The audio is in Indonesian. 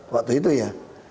waktu itu ya